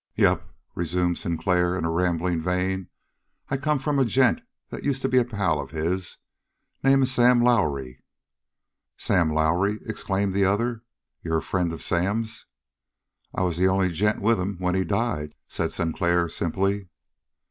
"Yep," resumed Sinclair in a rambling vein. "I come from a gent that used to be a pal of his. Name is Sam Lowrie." "Sam Lowrie!" exclaimed the other. "You a friend of Sam's?" "I was the only gent with him when he died," said Sinclair simply.